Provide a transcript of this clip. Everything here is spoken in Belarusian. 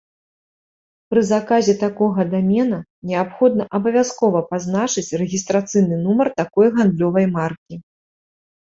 Пры заказе такога дамена неабходна абавязкова пазначыць рэгістрацыйны нумар такой гандлёвай маркі.